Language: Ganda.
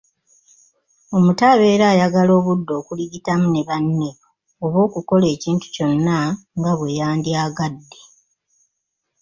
Omuto abeera ayagala obudde okuligitamu ne banne oba okukola ekintu kyonna nga bwe yandyagadde.